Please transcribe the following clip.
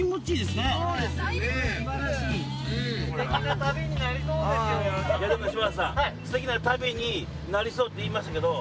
すてきな旅になりそうって言いましたけど。